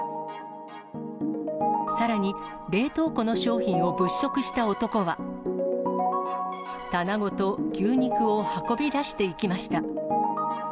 さらに、冷凍庫の商品を物色した男は、棚ごと牛肉を運び出していきました。